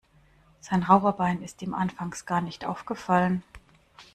Sein Raucherbein ist ihm anfangs gar nicht aufgefallen.